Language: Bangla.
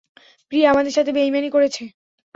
প্রিয়া আমাদের সাথে বেইমানী করেছে।